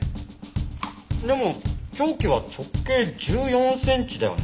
でも凶器は直径１４センチだよね？